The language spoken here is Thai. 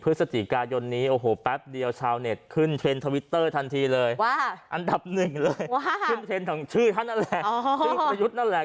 พฤศจิกายนนี้อันดับหนึ่งเลยคืนเท็นต์ของชื่อคลิปหน้าแหละ